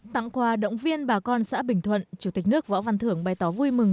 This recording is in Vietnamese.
tặng quà động viên bà con xã bình thuận chủ tịch nước võ văn thưởng bày tỏ vui mừng